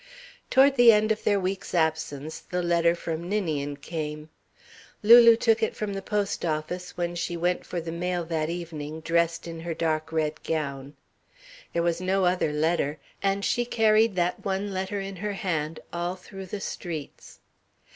Toward the end of their week's absence the letter from Ninian came. Lulu took it from the post office when she went for the mail that evening, dressed in her dark red gown. There was no other letter, and she carried that one letter in her hand all through the streets.